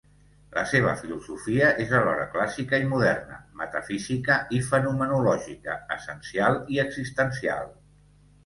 La seva filosofia és alhora clàssica i moderna, metafísica i fenomenològica, essencial i existencial.